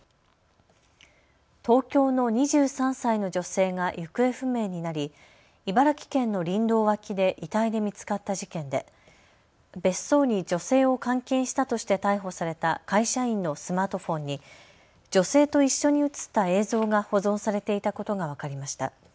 東京の２３歳の女性が行方不明になり茨城県の林道脇で遺体で見つかった事件で別荘に女性を監禁したとして逮捕された会社員のスマートフォンに女性と一緒に写った映像が保存されていたことが分かりました。